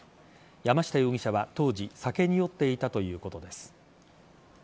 山下容疑者は当時酒に酔っていたということです。